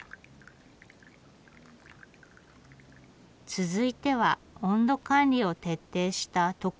続いては温度管理を徹底した特別純米。